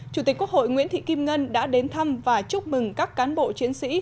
chủ tịch quốc hội nguyễn thị kim ngân đã đến thăm và chúc mừng các cán bộ chiến sĩ